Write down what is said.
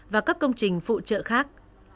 và các công trình phụ trợ khác